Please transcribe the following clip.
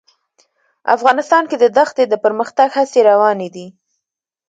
افغانستان کې د دښتې د پرمختګ هڅې روانې دي.